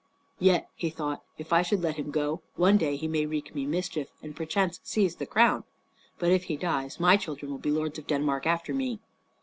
"Yet," he thought, "if I should let him go, one day he may wreak me mischief and perchance seize the crown. But if he dies, my children will be lords of Denmark after me."